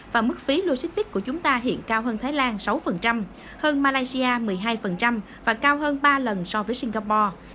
và mức phí logistics của chúng ta hiện cao hơn thái lan sáu hơn malaysia một mươi hai và cao hơn ba lần so với singapore